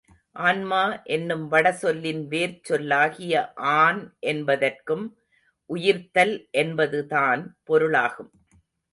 ஆன்மா என்னும் வட சொல்லின் வேர்ச் சொல்லாகிய ஆன் என்பதற்கும் உயிர்த்தல் என்பதுதான் பொருளாகும்.